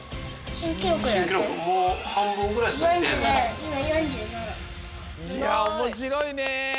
すごい！いやおもしろいね。